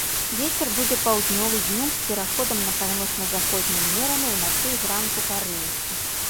Вецер будзе паўднёвы, днём з пераходам на паўночна-заходні ўмераны, уначы і зранку парывісты.